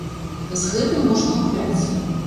З гэтым можна гуляць.